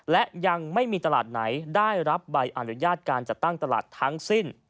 และยังไม่มีตลาดไหนได้รับใบอนุญาตการจัดตั้งตลาดทั้งสิ้น